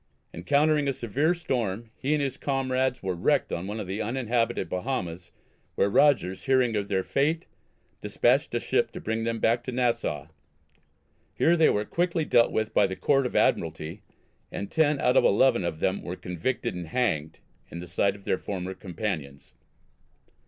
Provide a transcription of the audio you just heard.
Encountering a severe storm he and his comrades were wrecked on one of the uninhabited Bahamas, where Rogers, hearing of their fate, despatched a ship to bring them back to Nassau. Here they were quickly dealt with by the Court of Admiralty, and ten out of eleven of them were convicted and hanged "in the sight of their former companions."